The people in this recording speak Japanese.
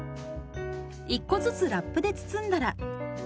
１個ずつラップで包んだら。